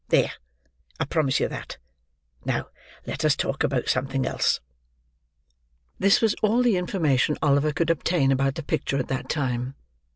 There! I promise you that! Now, let us talk about something else." This was all the information Oliver could obtain about the picture at that time.